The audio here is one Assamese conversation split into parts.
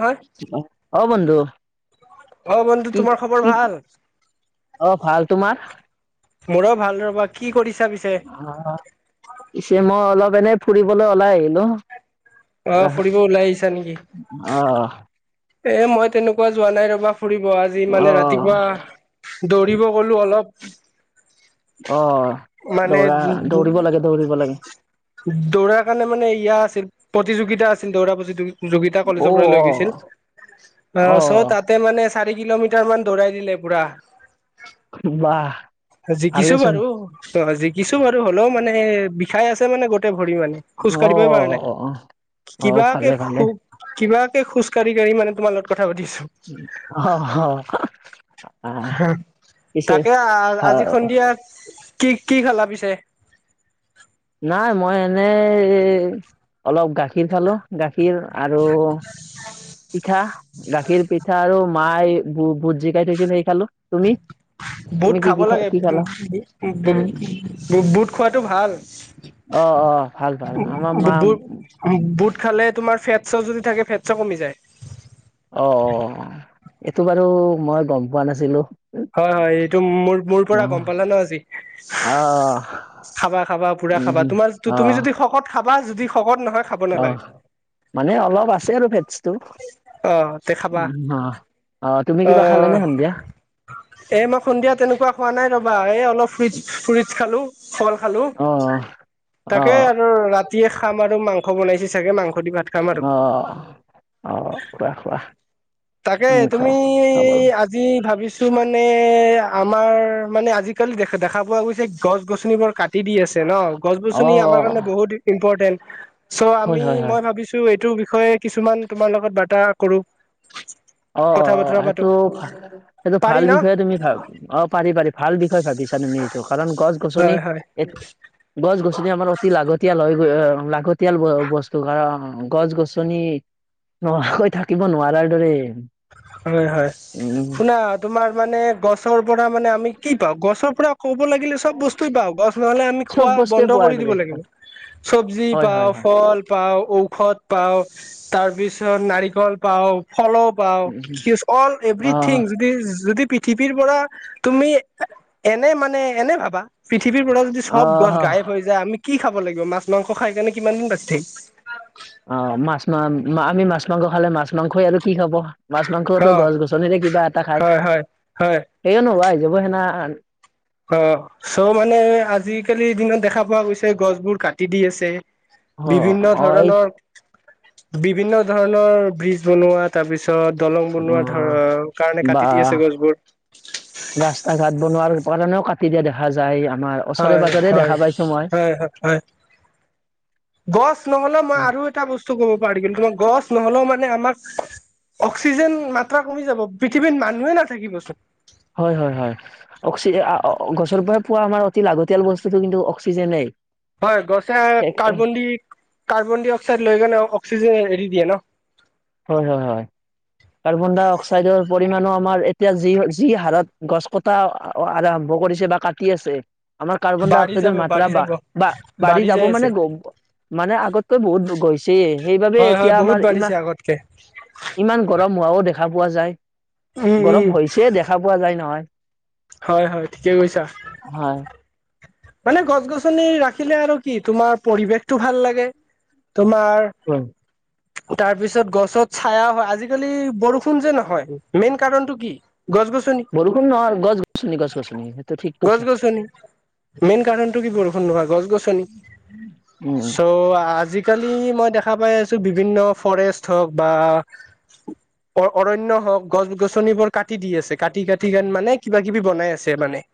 হয় [unintelligible] বন্ধ অ বন্ধু তোমাৰ খবৰ ভাল? অ ভাল তোমাৰ মোৰ ভাল ৰবা কি কৰি অ পিছে মই অলপ এনে ফুৰিবলে ওলাই আহিলো। অ ৰাস ফুৰিব ওলাই আহিছা নেকি? অ এ মই তেনেকুৱা যোৱা নাই ৰবা। ফুৰিব আজি অ মানে ৰাতিপুৱা দৌৰিব গলো অলপ। অ মানে দৌৰা দৌৰিব লাগে দৌৰিব লাগে। দৌৰাৰ কাৰণে মানে ইয়া আছিল প্ৰতিযোগিতা আছিল দৌৰা প্ৰতিযোগিতা অ কলেজৰ পৰা অ লৈ গৈছিল। অ চৌ তাতে মানে চাৰি কিলোমিটাৰ মান দৌৰাই দিলে পুৰা। বাহ জিকিছো ভালেচোন বাৰু ত অজি কিছু বাৰু হ'লেও মানে বিষাই আছে মানে গোটেই ভৰি মানে খোজ অ কঢ়িবই পৰা নাই অ অ কিবাকে ভালে ভালে কিবা [unintelligible] খোজকাঢ়ি কাঢ়ি মানে তোমালগত অ হ [unintelligible] তাকে আ আজি সন্ধিয়া কি কি খালা পিছে? নাই মই এনেই অলপ গাখীৰ খালো গাখীৰ আৰু পিঠা, গাখীৰ পিঠা আৰু মাই ভুট জিকাই থৈছিল সেই খালো। তুমি? বুট তুমি কি খাব কি খা লাগে কি উম খালা? উম উম বু বুট খোৱাটো ভাল অ অ ভাল ভাল আমাৰ মা বুট বুট খালে তোমাৰ ফেটছও যদি থাকে ফেটছও কমি যায় অ অ এইটো বাৰু মই গম পোৱা নাছিলো হয় হয় এইটো মোৰ মোৰ পৰা গম অ', পালা ন আজি অ', খাবা খাবা পুৰা খাবা উম, তোমাৰ তুমি অ', যদি শকত খাবা যদি শকত নহয় খাব অ নালাগে মানে অলপ আছে আৰু ফেটছ উ অ তে খাবা অহ তুমি অ কিবা খালে নে সন্ধিয়া এ মই সন্ধিয়া তেনেকোৱা খোৱা নাই ৰবা এই অলপ ফ্ৰু ফুইটচ খালো ফল খালো অ', তাকে অ', আৰু ৰাতিয়ে খাম আৰু মাংস বনাইছে চাগে মাংস দি ভাত খাম আৰু অ'। অ খোৱা খোৱা তাকে উম, তুমি খাওঁ খাব অ', আজি ভাবি ছো মানে আমাৰ মানে আজিকালি দেখা দেখা পোৱা গৈছে গছ গছনিবোৰ কাটি দি আছে ন। গছ গছনি আমাৰ অ'। কাৰণে বহুত ইম্পৰ্টেণ্ট। চ' হয় আমি হয় হয় মই ভাবিছো এইটোৰ বিষয়ে কিছুমান তোমাৰ লগত বাৰ্তা কৰো। অ অ কথা বতৰা অ পাতো সেইটো। সেইটো পাৰি ভাল ন বিষয়ে তুমি ভ অ পাৰি পাৰি ভাল বিষয়ে ভাবিছা তুমি এইটো কাৰণ গছ গছনি হয় হয় গছ গছনি আমাৰ অতি লাগতিাল হয়। লাগতিয়াল বস্তু কাৰণ গছ গছনি নোহোৱাকৈ থাকিব নোৱাৰাৰ দৰে। হয় হয় উম শুনা তোমাৰ মানে গছৰ পৰা মানে আমি কি পাওঁ গছৰ পৰা ক'ব লাগিলে চব বস্তু পাওঁ গছ নহলে আমি চব খোৱা বস্তুৱে বন্ধ পোৱাৰ কৰি দিব দৰে লাগিব চবজি হয় পাও হয় হয় ফল পাওঁ, ঔষধ পাওঁ, তাৰ পিছত নাৰিকল পাওঁ, ফলো পাও অল অ এভথিং যদি যদি পৃথিৱীৰ পৰা তুমি এনে মানে এনে ভাবা পৃথিৱীৰ পৰা যদি সব গছ অ গায়ব হৈ যায় আমি কি খাব লাগিব মাছ মাংস খাই কাৰণে কিমান দিন বাছি থাকিম। অ মাছ মা আমি মাছ মাংস খালে মাছ মাংসই আৰু কি খাব মাছ থাকিম মাংসতো অ গছ গছনিৰে কিবা এটা খায়। হয় হয় হয় সেই নহব যাব হেনা। অ চ' মানে আজিকালিৰ দিনত দেখা পোৱা গৈছে গছবোৰ কাটি দি আছে। অ বিভিন্ন অ এই ধৰণৰ বিভিন্ন ধৰণৰ ব্ৰীজ বনোৱা তাৰ পিছ ত দলং অ বনোৱা ধৰ কাৰণে বা কাটি দি আছে গছবোৰ। ৰাস্তা ঘাট বনোৱাৰ কাৰণেও কাটিয়া দেখা যায় আ হয় হয় হয় হয়। গছ নহ'লে মই আৰু এটা বস্তু ক'ব পাৰি কিন্তু তোমাৰ গছ। নহলেও মানে আমাক অক্সিজেন মাত্ৰা কমি যাব পৃথিৱীত মানুহে নাথাকিবচোন। হয় হয় হয় অক্সি আ- অ- গছৰ পৰাই পোৱা আমাৰ অতি লাগতিয়াল বস্তুত কিন্তু অক্সিজেনে। হয় গছে কাৰ্বন দি কাৰ্বন ডাই অক্সাইড লৈ গনে অক্সিজে এৰি দিয়ে ন। হয় হয় হয়। কাৰ্বন ডাই অক্সাইডৰ পৰিমণো আমাৰ এতিয়া যি যি হাৰত গছ কটা আৰম্ভ কৰিছে বা কাটি আছে। আমাৰ কাৰ্বন ডাই বাঢ়ি যাব অক্সাইডৰ মাত্ৰা বাঢ়ি বা যাব। বা বাঢ়ি যাব যাই আছে মান গ মানে আগতকৈ বহুত গৈছে সেইবাবে হয় হয় এতিয়া বহুত আমাৰ বাঢ়িছে ইমান। আগতকে ইমান গৰম হোৱাও দেখা পোৱা যায় উম উম গৰম হৈছে দেখা পোৱা যায় নহয়। হয় হয় ঠিকে কৈছা। হয় মানে গছ গছনি ৰাখিলে আৰু কি তোমাৰ পৰিৱেশটো ভাল লাগে। তোমাৰ হয় তাৰ পিছত গছত ছায়া হয়। আজিকালি বৰষুণ যে নহয় মেইন কাৰণতটো কি? গছ গছনি বৰষুণ নহয় গছ-গছনি গছ-গছনি এইটো ঠিক গছ কৈছা। গছনি মেইন কাৰণতটো কি বৰষুণ নহোৱা, গছ গছনি। উম চ' আজিকালি মই দেখা পাই আছোঁ বিভিন্ন ফৰেষ্ট হওক বা অ-অৰণ্য হওক, গছ-গছনিবোৰ কাটি দি আছে কাটি-কাটি কেন মানে কিবা-কিবি বনাই আছে মানে।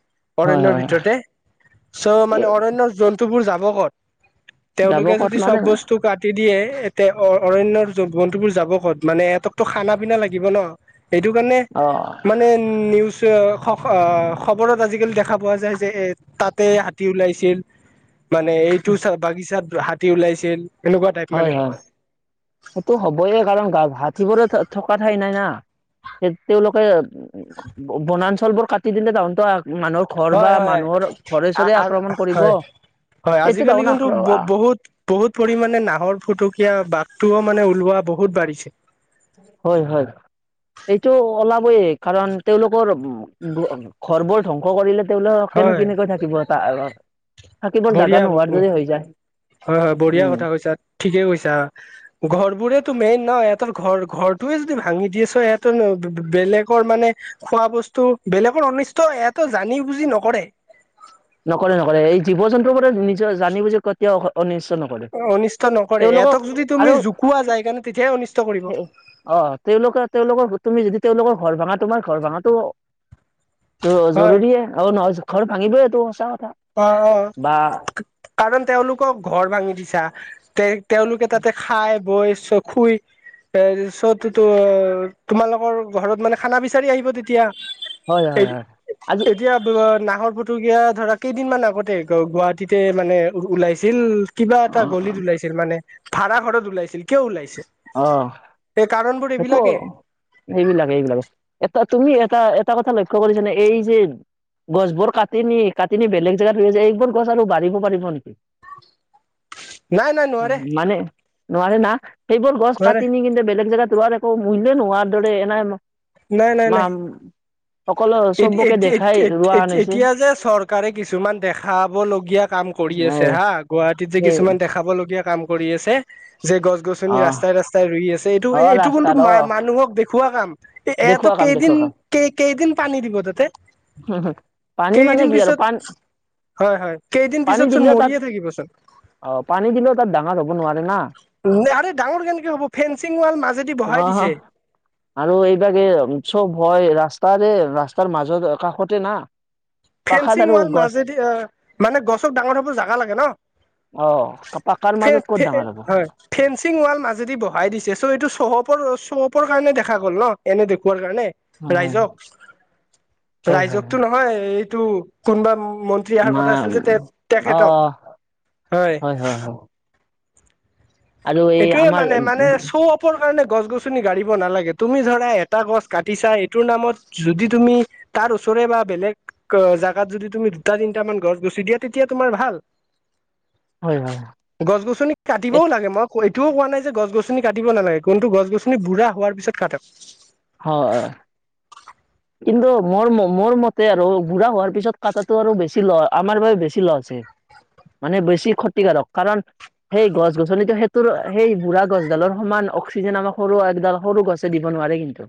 হয় অৰণ্যৰ হয় ভিতৰতে। চ' হয়। মানে অৰণ্যৰ জন্তুবোৰ যাব ক'ত? যাব তেওঁলোকে ক'ত যদি চব মানে বস্তু কাটি দিয়ে এতিয়া অ-অৰণ্যৰ জন্তবোৰ যাব ক'ত, মানে এহতকতো খানা পিনা লাগিব ন। এইটো কাৰণে, অ মানে নিউজ খ অ খবৰত আজিকালি দেখা পোৱা যায় যে এ তাতে হাতী ওলাইছিল মানে এইটো চাহ-বাগিচাত হাতী ওলাইছিল এনেকুৱা টাইপ মানে হয় হয়, সেইটো হবই কাৰণ গা হাতীবোৰে থকা ঠাই নাই। না, সেই তেওঁলোকে বনাঞ্চলবোৰ কাটি দিলে তাহত মানুহৰ ঘৰ বা হয় হয় মানুহৰ ঘৰে-চৰে আক্ৰমণ কৰিব। হয় হয়, এইটো আজিকালি তাহোন কিন্তু আক্ৰ ব-বহুত বহুত পৰিমানে না হৰ ফুটুকীয়া বাঘটোও মানে ওলোৱা বহুত বাঢ়িছে। হয় হয়। এইটো আলাবই কাৰণ তেওঁলোকৰ উ ঘৰবোৰ ধ্বংস কৰিলে তেওঁলোক কেনে হয় কেনেকৈ থাকিব, [unintelligible] থাকিবৰ জাগা বঢ়িয়া নোহোৱাৰ দৰে হৈ যায়। হয় হয় বঢ়িয়া উম কথা কৈছা, ঠিকে কৈছা। ঘৰ বোৰেতো মেইন ন, এহতৰ ঘৰ-ঘৰটোয়ে যদি ভাঙি দিছে সিহঁতৰ বেলেগৰ মানে খোৱা বস্তু, বেলেগৰ অনিষ্ট এহতো জানি-বুজি নকৰে। নকৰে নকৰে, এই জীৱ-জন্তুৰ পৰা নিজৰ জানি বুজি কেতিয়াও অনি নকৰে। অনিষ্ট নকৰে তেওঁলোকক এহঁতক যদি তুমি আৰু, জোকোৱা যায় কাৰণে তেতিয়াহে অনিষ্ট কৰিব অ' তেওঁলোকে তেওঁলোকৰ, তুমি যদি তেওঁলোকৰ ঘৰ ভাঙা, তোমাৰ ঘৰ ভাঙাটো হয় জ-জৰুৰীয়ে আৰু নহয় ঘৰ ভাঙিবয়েটো অ' অ', কাৰণ তেওঁলোকক ঘৰ ভাঙি দিছা তে তেওঁলোকে তাতে খাই, বৈ, চ খুই তাৰিছত তো-তোমালোকৰ ঘৰত মানে খানা বিচাৰি আহিব তেতিয়া। হয় হয় হয় আজি এ-এতিয়া [unintelligible] নাহৰ ফুটুকীয়া ধৰা কেইদিনমান আগতে, গুৱাহাটীতে মানে ওলাইছিল কিবা অ এটা গলিত অ ওলাইছিল মানে, ভাড়া ঘৰত ওলাইছিল। কিয় ওলাইছে? অ', এই কাৰণবোৰ সেইটো এইবিলাকে এইবিলাকে এইবিলাকে তুমি এটা এটা কথা লক্ষ্য কৰিছানে, এই যে গছবোৰ কাটি নি কাটি নি বেলেগ জেগাত লৈ যায়, এইবোৰ গছ আৰু বাঢ়িব পাৰিব নিকি। নাই নাই নোৱাৰে মানে নোৱাৰে না। সেইবোৰ গছ নোৱাৰে কাটি নি কিন্তু বেলেগ জেগাত ৰোৱাৰ একো মূল্যই নোহোৱাৰ দৰে, এনে মাম এ আনিছে এতি-এতি-এতিয়া যে চৰকাৰে কিছুমান দেখাব লগীয়া কাম কৰি আ এ হা, গুৱাহাটীত যে সেই কিছুমান দেখাবলগীয়া কাম কৰি আছে যে গছ-গছনি অ', ৰাস্তাই ৰাস্তাই ৰুই আছে, এইটো অ', এইটো কিন্তু ৰাস্তাত অ', মা-মানুহক দেখুওৱা কাম। এ এয়াতো দেখুওৱা কাম কেইদিন দেখুওৱা কাম। কেই-কেইদিন পানী দিব তাতে? পানী মানে কেইদিন কি আৰু পিছত পান হয় হয়, কেইদিন পানী পিছত চোন দিলেও তাত মৰিয়ে থাকিবচোন। অ', পানী দিলেও তাত ডাঙৰ হব নোৱাৰে না। ন আৰে ডাঙৰ কেনকে হ'ব, ফেঞ্চিং ৱাল মাজেদি বহাই অ', দিছে। আৰু এইবাগে চব হয়, ৰাস্তাৰে ৰাস্তাৰ মাজত কাষতে না। পাখাত ফেনচিং আৰু ৱাল গছ মাজেদি, অ মানে গছক ডাঙৰ হব জাগা লাগে ন। অ', পাকাৰ মাজত ক'ত ডাঙৰ হব। ফেনচিং ৱাল মাজেদি বহাই দিছে চ' এইটো চহপৰ চহপৰ কাৰণে দেখা গ'ল ন, এনে দেখুৱাৰ কাৰণে। হয়, হয়, হয়, ৰাইজক-ৰাইজকটো হয় নহয় এইটো কোনবা ম মন্ত্ৰী অহাৰ মা কথা আছিল যে তেখেতক অ', হয়। আৰু এই এইটোয়ে আমাৰ মানে মানে চৌ অপৰ কাৰণে গছ গছনি গাৰিব নালাগে। তুমি জানা এটা গছ কাটিছা। বা বেলেগ জেগাত যদি তুমি দুটা তিনিটা মান গছ গুছি দিয়া তেতিয়া তোমাৰ ভাল। হয়, হয়, গছ গছনি এ কাটিবও লাগে মোক। এইটোও কোৱা নাই যে গছ গছনি কাটিব নালাগে কন্তু গছ গছনি বুঢ়া হোৱাৰ পিছত কাক। হয়। কিন্তু মোৰ মোৰ মতে আৰু বুঢ়া হোৱাৰ পিছত কটাটো আৰু বেছি ল আমাৰ বাবে বেছি লছ। মানে বেছি ক্ষতিকাৰক কাৰণ সেই গছ গছনিতো সেইটোৰ সেই বুঢ়া গছডালৰ সমান অক্সিজেন আমাৰ সৰু একডাল সৰু গছে দিব নোৱাৰ। কিন্তু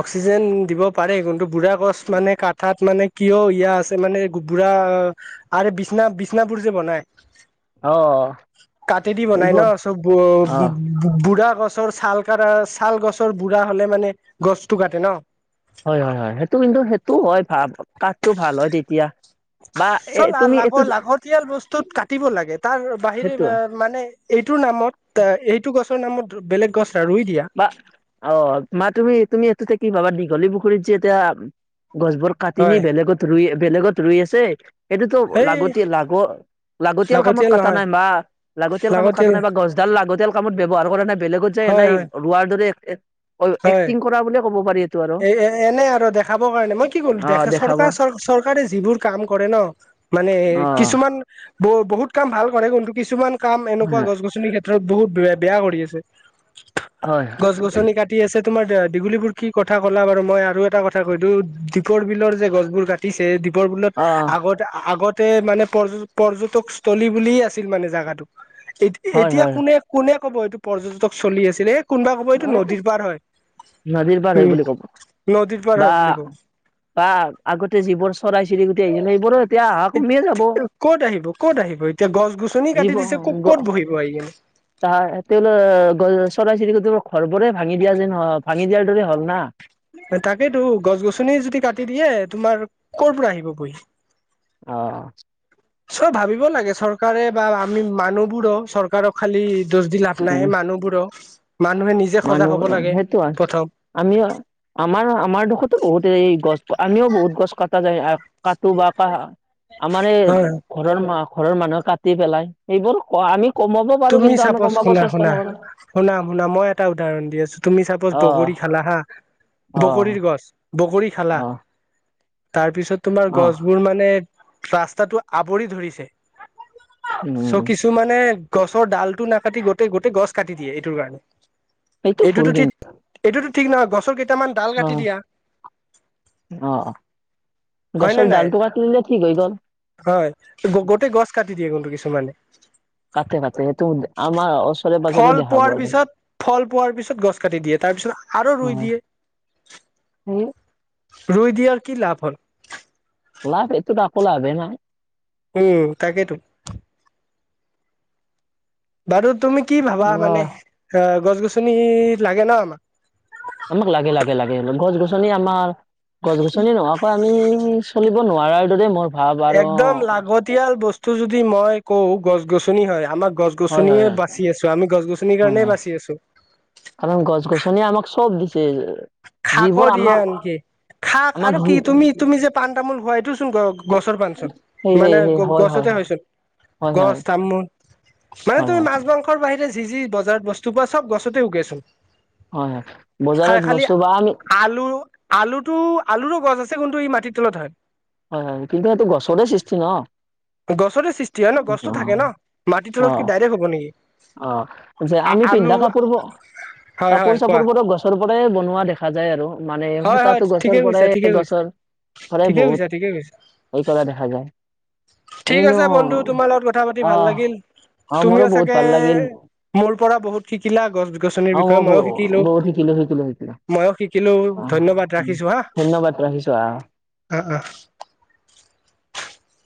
অক্সিজেন দিব পাৰে কিন্তু বুঢ়া গছ মানে কাঠাত মানে কিয় ইয়া আছে মানে বুঢ়া আ বিছনা বিচনাবোৰ যে বনাই। অ কাতেদি বনাই ন এইবোৰ চব অ বুঢ়া গছৰ ছাল গছ ছাল গছৰ বুঢ়া হলে মানে গছতটো কাটে ন। হয় হয় হয় সেইটো কিন্তু সেইটো হয় ভাল কাঠটো ভাল হয় তেতিয়া। বা এ চল তুমি লাগ এইটো লাগতিয়াল বস্তুত কাটিব লাগে তাৰ বাহিৰে সেইটো হয় মানে এইটোৰ নামত। এইটো গছৰ নামত বেলেগ গছ। ৰুই দিয়া বা অ মা তুমি তুমি এইটোতে কি পাবা দীঘলী পুখুৰীত যে এতিয়া। গছবোৰ কাটি নি হয় বেলেগত ৰুই বেলেগত ৰুই আছে সেইটোতো এই লাগতি লাগত। লাগতিয়াল কামত কটা নাই মা লাগতিয়াল কামত কটা নাই বা গছডাল লাগতিয়াল। কামত ব্যৱহাৰ কৰা নাই বেলেগত যায় হয় নাই। হয় হয় এক্টিং কৰা ব বুলি ক'ব পাৰি এইটো আৰু এ এ এনে আৰু দেখাবৰ কাৰণে মই কি কৰিলো অ দেখ দেখাব চৰকাৰ চ চৰকাৰে যিবোৰ কাম কৰে ন। মানে অ কিছুমান ব বহুত কাম ভাল কৰে কিন্তু কিছুমান কাম এনেকুৱা গছ গছনিৰ ক্ষেত্ৰত বহুত ব বেয়া কৰি আছে। হয় হয় ছে তোমাৰ দীগুলী পুখুৰী কি কথা ক'লা বাৰু মই আৰু এটা কথা কৈদিও দীপৰ বিলৰ যে গছবোৰ কাটিছে। লিপিৰ বিলত অ আগতে আগত মানে পৰ পৰ্যটকস্থ্লী বুলি আছিল মানে জোগাটোক। এ হয় এতিয়া হয় কোনে কোনে কব এইটো পৰ্যটক চলি আছিলে এই কোনোবা ক'ব এইটো নদীৰ। পাৰ হয় নদীৰ বাৰ এই উম বুলি কব। নদীৰ পাৰ বা হয় বুলি কব বা আগতে যিবোৰ চৰাই চিৰিক এ ক'ত আহিব ক'ত আহিব এতিয়া গছ গছনি কাটি দিছে ক'ত ক'ত। [unintelligible] তা তেওঁল চৰাই চিৰিক ঘৰবোৰে ভাঙি দিয়া যেন ভাঙি দিয়াৰ দৰেই হল না। তাকেইতো গছ গছনি যদি কাটি দিয়ে তোমাৰ কৰ পৰা আহিব বৈ আহ। চব ভাবিব লাগে চৰকাৰে বা আমি মানুহবোৰক চৰকাৰক খালি। দোষ দি লাভ উম নাই মানুহবোৰো। মানুহে নিজে সজাগ মানুহ হব লাগে সেইটো আৰু প্ৰথম আমিও। আমাৰ আমাৰ দোশটো বহুত এই গছ আমিও বহুত গছ কটা যায়। কাটো বা ক আমাৰ এই হয় ঘৰৰ মাক ঘৰৰ মানুহে কাটি পেলাই সেইবোৰ ক আমি কমাব পাৰো তুমি কিন্তু আমি চাপজ কমাব শুনা শুনা চেষ্টা নকৰো শুনা শুনা মই এটা উদাহৰণ দি আছো তুমি সাপৌচ অ বগৰী খলা হা অ বগৰী গছ বগৰী। খালা অ তাৰপিছত তোমাৰ অ গছবোৰ মানে। ৰাস্তাটো আৱৰি ধৰিছে উম উম, চ' উম। কিছুমানে গছৰ ডালটো নাকাটি গোটেই গোটেই গছ কাটি দিয়ে এইটোৰ কাৰণে সেইটো ভুল এইটোতো কিন্তু ঠিক এইটোতো ঠিক নহয় গছৰ কেতিয়া [unintelligible] দুটামান ডাল অ কাটি দিয়া। অ হয় নে গছৰ নাই? ডালটো কাটি দিলে ঠিক হৈ গ'ল হয় গোতেই গছ কাটি দিয়ে কোনটো কি কিছুমানে কাটে কাটে সেইটো আমাৰ ওচৰে [inaudible] পাজৰে ফল দেখা পোৱাৰ পোৱা যায় পিছত -ফল পোৱাৰ পিছত গছ কাটি দিয়ে। তাৰপিছত আৰু ৰুই দিয়ে। [inaudible] হম ৰুই দিয়াৰ কি লাভ হ'ল লাভ এইটোত একো লাভে নাই। সেয়ে তাকেতো। বাৰু তুমি কি ভাবা মানে অহ এ গছ -গছনি লাগে ন' আমাক। আমাক লাগে- লাগে -লাগে, গছ -গছনি আমাৰ গছ -গছনি নোহোৱাকৈ আমি চলিব নোৱাৰাৰ দৰে মোৰ ভাৱ আৰু একদম লাগতিয়াল বস্তু যদি মই কওঁ গছ- গছনি হয় আমাক গছ হয় -গছনিয়ে হয় হয় বাচি আছো আমি গছ -গছনিৰ হয় কাৰণে হয় বাছি আছো। কাৰণ গছ গছনি আমাক চব দি খাকো দিয়ে আনকি। খাক আমাক আৰু যি কি তুমি তুমি যে পাণ তামোল খোৱা এইটো চোন গ গছৰ পাণছোন সেই সেই মানে সেই গ গছতে হয় ছোন। হয় হয় হয় গছ তামোল মানে হয় তুমি মাছ মাংসৰ বাহিৰে। যি যি বজাৰত বস্তু পোৱা চব গছতে উগেছোন। হয় হয় বজাৰত বস্তু বা আমি আলু আলুটো আলুৰো গছ আছে কিন্তু ই মাটিৰ তলত হয়। হয় হয় কিন্তু সেইটো গছতে সৃষ্টি ন। গছতে সৃষ্টি হয় ন গছতো অ থাকে ন মাটিৰ অ তলত কি ডাইৰেক্ট হ'ব নেকি? অ যে আমি আলু পিন্ধা কাপোৰবোৰ, হয় হয় কাপোৰ কোৱা চাপোৰবোৰ গছৰ সদায় বনোৱা দেখা যায় আৰু মানে হয় হয় সূতাটো ঠিকে গছৰ কৈছা ঠিকে পৰাই কৈছা গছৰ সদায় ঠিকে কৈছা ঠিকে কৈছা বহুত এই কৰা দেখা যায়। ঠিক আমিনো আছে বন্ধু তোমাৰ লগত কথা পাতি ভাল আহ লাগিল অ তুমিও মোৰো চাগে বহুত ভাল লাগিল। মোৰ পৰা বহুত শিকিলা গছ গছনিৰ অ মই বিষয়ে বহুত শিকিলো শিকিলো শিকিলো ময়ো শিকিলো। অ ধন্যবাদ ৰাখিছো হা, ধন্যবাদ ৰাখিছো আহ অ অ। [unintelligible]